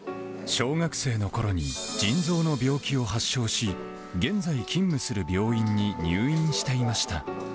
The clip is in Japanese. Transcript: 小学生のころに腎臓の病気を発症し、現在、勤務する病院に入院していました。